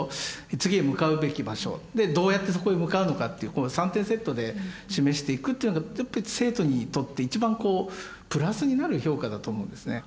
次へ向かうべき場所でどうやってそこへ向かうのかっていうこの３点セットで示していくというのが生徒にとって一番こうプラスになる評価だと思うんですね。